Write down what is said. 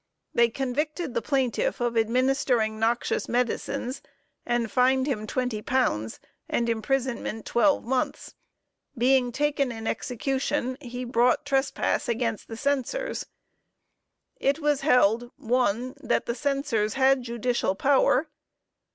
They convicted the plaintiff of administering noxious medicines, and fined him £20, and imprisonment 12 months. Being taken in execution, he brought trespass against the Censors. It was held 1. That the Censors had judicial power.